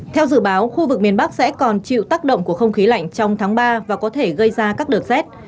theo dự báo khu vực miền bắc sẽ còn chịu tác động của không khí lạnh trong tháng ba và có thể gây ra các đợt rét